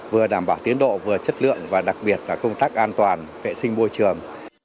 vừa đảm bảo tiến độ vừa chất lượng và đặc biệt là công tác an toàn vệ sinh môi trường